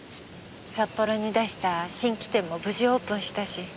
札幌に出した新規店も無事オープンしたし。